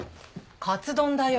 カツ丼だよ。